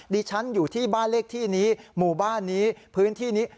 ดิฉันอยู่ที่บ้านเลขที่นี้หมู่บ้านนี้พื้นที่นี้